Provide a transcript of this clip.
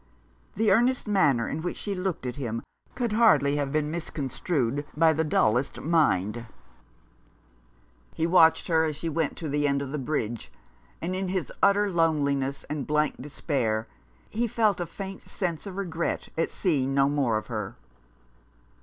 The earnest manner in which she looked at him could hardly have been misconstrued by the dullest mind. 24 A Fellow feeling. He watched her as she went to the end of the bridge, and in his utter loneliness and blank despair he felt a faint sense of regret at seeing no more of her.